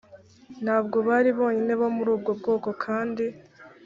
ntabwo bari bonyine bo muri ubwo bwoko kandi